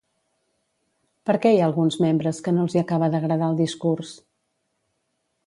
Per què hi ha alguns membres que no els hi acaba d'agradar el discurs?